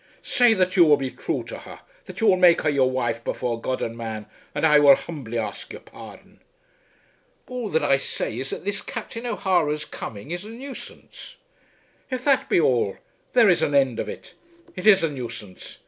"Say that you will be true to her, that you will make her your wife before God and man, and I will humbly ask your pardon." "All that I say is that this Captain O'Hara's coming is a nuisance." "If that be all, there is an end of it. It is a nuisance.